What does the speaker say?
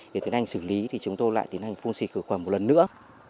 để tiến hành xử lý thì chúng tôi lại tiến hành phun xịt khử khuẩn một lần nữa